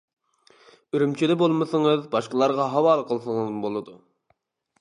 ئۈرۈمچىدە بولمىسىڭىز باشقىلارغا ھاۋالە قىلسىڭىزمۇ بولىدۇ.